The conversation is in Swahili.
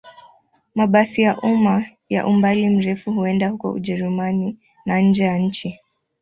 Mabasi ya umma ya umbali mrefu huenda huko Ujerumani na nje ya nchi.